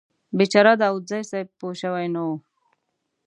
بیچاره داوودزی صیب پوه شوي نه و.